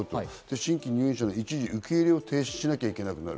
新規入園者の一時受け入れを停止しなきゃいけなくなる。